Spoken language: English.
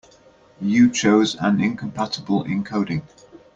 You chose an incompatible encoding.